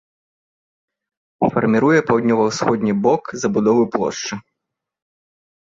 Фарміруе паўднёва-ўсходні бок забудовы плошчы.